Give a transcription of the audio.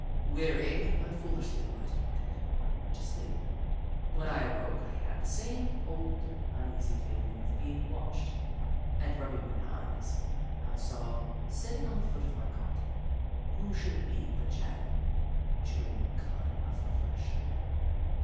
Weary, but foolishly light hearted, I went to sleep. When I awoke, I had the same old un easy feeling of being watched, and, rubbing 46 The Book of Clever Beasts my eyes, I saw, sitting on the foot of my cot — who should it be but Jagg, chewing the cud of reflection